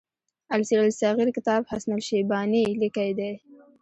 السير الصغير کتاب حسن الشيباني ليکی دی.